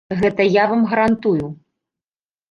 Гэта я вам гарантую.